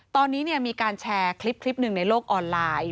ตอนนี้มีการแชร์คลิปหนึ่งในโลกออนไลน์